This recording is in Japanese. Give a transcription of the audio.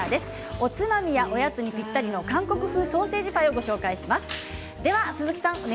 おつまみやおやつにぴったり韓国風ソーセージパイをご紹介します。